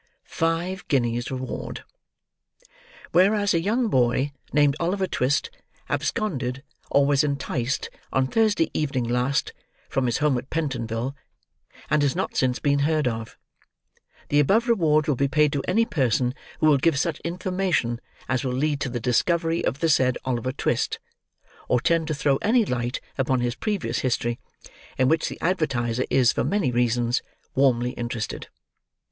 "FIVE GUINEAS REWARD "Whereas a young boy, named Oliver Twist, absconded, or was enticed, on Thursday evening last, from his home, at Pentonville; and has not since been heard of. The above reward will be paid to any person who will give such information as will lead to the discovery of the said Oliver Twist, or tend to throw any light upon his previous history, in which the advertiser is, for many reasons, warmly interested."